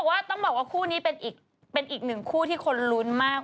แต่ว่าต้องบอกว่าคู่นี้เป็นอีกหนึ่งคู่ที่คนลุ้นมาก